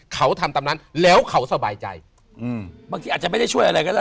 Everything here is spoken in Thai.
เขาทำตามนั้นแล้วเขาสบายใจอืมบางทีอาจจะไม่ได้ช่วยอะไรก็ได้